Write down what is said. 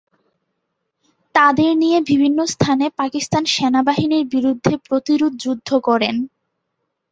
তাদের নিয়ে বিভিন্ন স্থানে পাকিস্তান সেনাবাহিনীর বিরুদ্ধে প্রতিরোধযুদ্ধ করেন।